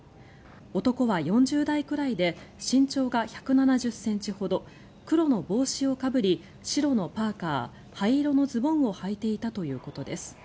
男は４０代くらいで身長が１７０ｃｍほど黒の帽子をかぶり白のパーカ、灰色のズボンをはいていたということです。